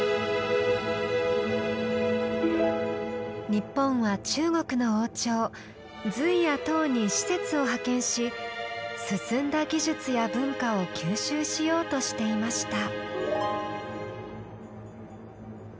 日本は中国の王朝隋や唐に使節を派遣し進んだ技術や文化を吸収しようとしていました。